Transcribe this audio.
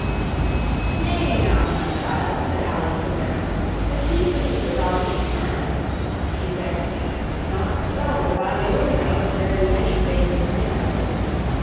"Nay now, my child," said Alice the nurse, "But keep the secret all ye can." She said: "Not so: but I will know If there be any faith in man."